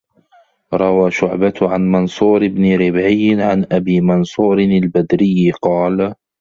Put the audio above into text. رَوَى شُعْبَةُ عَنْ مَنْصُورِ بْنِ رِبْعِيٍّ عَنْ أَبِي مَنْصُورٍ الْبَدْرِيِّ قَالَ